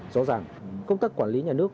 rõ ràng công tác quản lý nhà nước